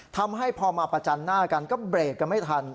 ทำให้พอมาประจันหน้ากันก็เบรกกันไม่ทัน